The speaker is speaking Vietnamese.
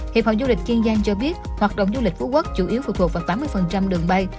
hiệp phòng du lịch kiên giang cho biết hoạt động du lịch phú quốc chủ yếu phụ thuộc vào tám mươi đường bay